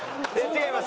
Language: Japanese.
違います。